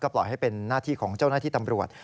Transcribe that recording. ปล่อยให้เป็นหน้าที่ของเจ้าหน้าที่ตำรวจ